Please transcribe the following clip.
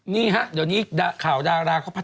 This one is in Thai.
นี่ครับเดี๋ยวนี้ข่าวภาษาพัฒนานะครับ